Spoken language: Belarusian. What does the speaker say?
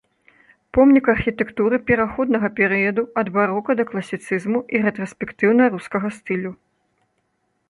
Помнік архітэктуры пераходнага перыяду ад барока да класіцызму і рэтраспектыўна-рускага стылю.